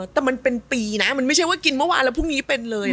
แต่มันเป็นปีมันไม่ใช่เกิดพูดว่าวานก็เตลียด